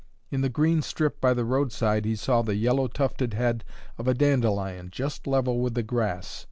In the green strip by the roadside he saw the yellow tufted head of a dandelion just level with the grass.